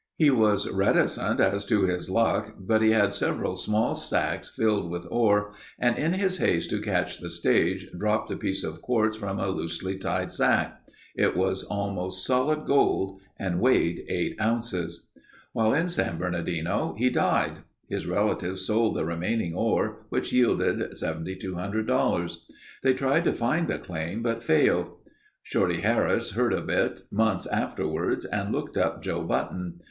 He was reticent as to his luck but he had several small sacks filled with ore and in his haste to catch the stage, dropped a piece of quartz from a loosely tied sack. It was almost solid gold and weighed eight ounces. While in San Bernardino he died. His relatives sold the remaining ore, which yielded $7200. They tried to find the claim but failed. Shorty Harris heard of it months afterward and looked up Joe Button.